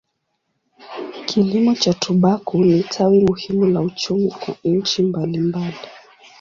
Kilimo cha tumbaku ni tawi muhimu la uchumi kwa nchi mbalimbali.